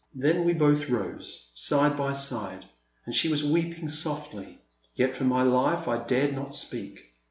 Then we both rose, side by side, and she was weeping softly, yet for my life I dared not speak.